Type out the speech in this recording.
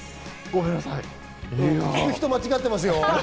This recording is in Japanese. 聞く人を間違ってますよ。